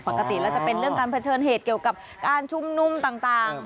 ปกติแล้วจะเป็นเรื่องการเผชิญเหตุเกี่ยวกับการชุมนุมต่าง